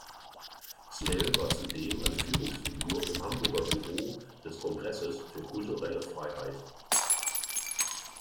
Snell war zudem eine Führungsfigur im Hamburger Büro des Kongresses für kulturelle Freiheit.